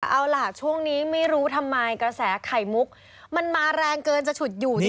เอาล่ะช่วงนี้ไม่รู้ทำไมกระแสไข่มุกมันมาแรงเกินจะฉุดอยู่จริง